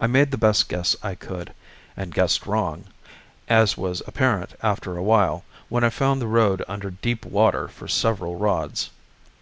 I made the best guess I could, and guessed wrong, as was apparent after a while, when I found the road under deep water for several rods.